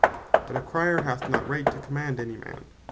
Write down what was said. But a Crier hath not right to Command any man.